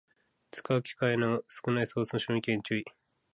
使う機会の少ないソースの賞味期限に注意